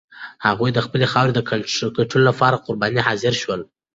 هغوی د خپلې خاورې د ګټلو لپاره قربانۍ ته حاضر شول.